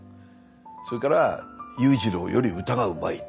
それから「裕次郎より歌がうまい」。